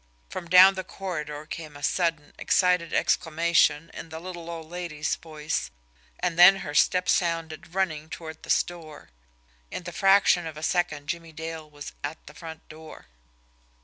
From down the corridor came a sudden, excited exclamation in the little old lady's voice, and then her steps sounded running toward the store. In the fraction of a second Jimmie Dale was at the front door.